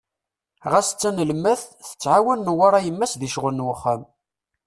Ɣas d tanelmadt, tettɛawan Newwara yemma-s di ccɣel n wexxam.